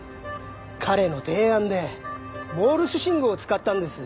彼の提案でモールス信号を使ったんです。